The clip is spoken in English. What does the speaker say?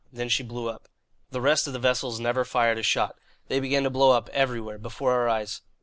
Then she blew up. The rest of the vessels never fired a shot. They began to blow up, everywhere, before our eyes.